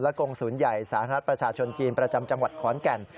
กงศูนย์ใหญ่สาธารณะประชาชนจีนประจำจังหวัดขอนแก่น